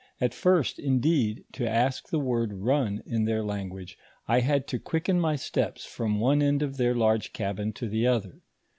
At first, indeed, to ask the word run in their language, I had to quicken my steps from one end of their large cabin to the other.